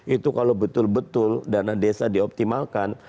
itu kalau betul betul dana desa dioptimalkan